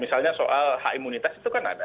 misalnya soal hak imunitas itu kan ada